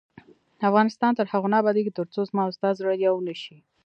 افغانستان تر هغو نه ابادیږي، ترڅو زما او ستا زړه یو نشي.